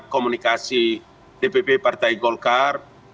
komunikasi dpp partai golkar